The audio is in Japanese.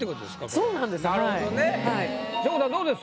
そうなんです。